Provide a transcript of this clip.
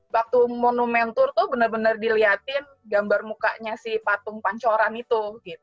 waktu monument tour tuh bener bener dilihatin gambar mukanya si patung pancoran itu